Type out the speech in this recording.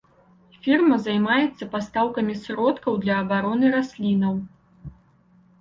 Фірма займаецца пастаўкамі сродкаў для абароны раслінаў.